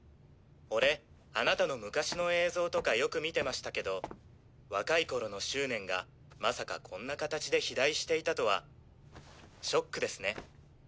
俺あなたの昔の映像とかよく見てましたけど若い頃の執念がまさかこんな形で肥大していたとはショックですね。